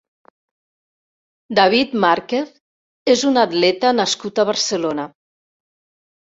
David Márquez és un atleta nascut a Barcelona.